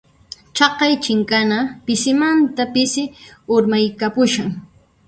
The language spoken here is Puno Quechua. Chaqay chinkana pisimanta pisi urmaykapushan.